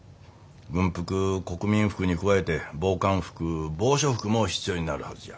軍服国民服に加えて防寒服防暑服も必要になるはずじゃ。